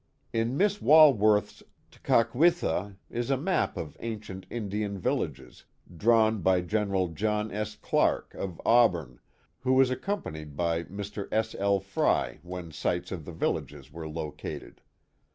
In Miss Walworth's Tckakivitha is a map of ancient Indian villages, drawn by General John S. Clark, of Auburn, who was accompanied by Mr. S. L. Frey when sites of the villages were located.